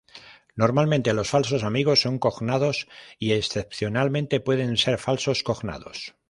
Normalmente, los falsos amigos son cognados y excepcionalmente pueden ser falsos cognados.